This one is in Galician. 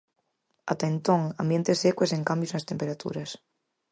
Ata entón, ambiente seco e sen cambios nas temperaturas.